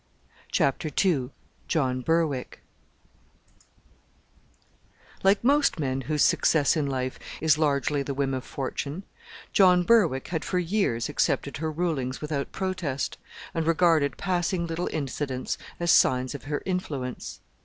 CHAPTER II JOHN BERWICK Like most men whose success in life is largely the whim of fortune, John Berwick had for years accepted her rulings without protest, and regarded passing little incidents as signs of her influence.